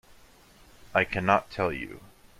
I cannot tell you.